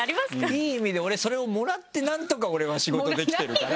いい意味でそれをもらってなんとか俺は仕事できてるから。